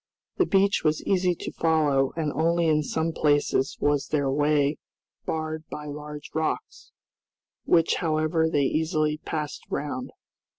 The beach was easy to follow, and only in some places was their way barred by large rocks, which, however, they easily passed round.